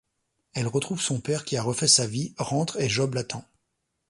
Elle retrouve son père, qui a refait sa vie, rentre et Job l'attend.